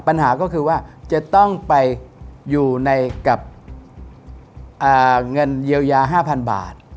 ปัญหาก็คือว่าจะต้องไปอยู่ในกับเงินเยียวยา๕๐๐๐บาท